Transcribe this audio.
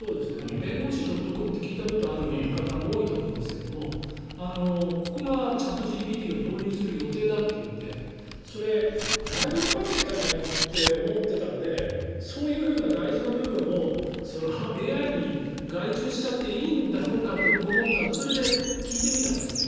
弁護士ドットコムって聞いたことある方も多いと思うんですがここがチャットＧＰＴを導入する予定だというのでそれ、ライバル関係じゃないのと思っていたのでそういうふうな大事な部分をＡＩに外注しちゃっていいんだろうかって僕、思ったのでそれで聞いてみたんですね。